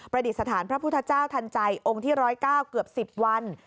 ดิษฐานพระพุทธเจ้าทันใจองค์ที่๑๐๙เกือบ๑๐วัน